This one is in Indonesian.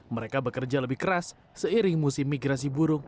mereka bekerja lebih keras seiring musim migrasi burung